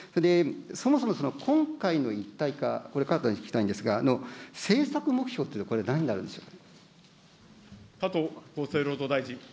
そもそも今回の一体化、これ、加藤さんに聞きたいんですが、政策目標って、これ何になるでしょう。